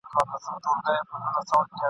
پاکه خاوره به مو آزاده وي.